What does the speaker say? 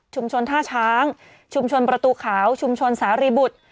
ท่าช้างชุมชนประตูขาวชุมชนสาริบุตร